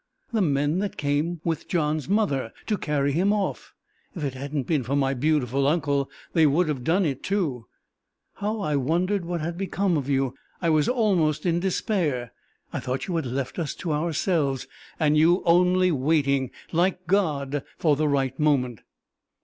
"The men that came with John's mother to carry him off. If it hadn't been for my beautiful uncle, they would have done it too! How I wondered what had become of you! I was almost in despair. I thought you had left us to ourselves and you only waiting, like God, for the right moment!"